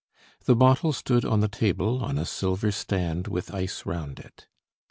The bottle stood on the table on a silver stand with ice round it.